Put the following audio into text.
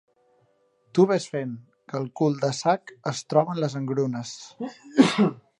Tu vés fent, que al cul del sac es troben les engrunes!